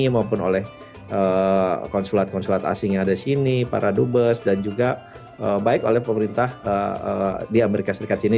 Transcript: maupun oleh konsulat konsulat asing yang ada di sini para dubes dan juga baik oleh pemerintah di amerika serikat sini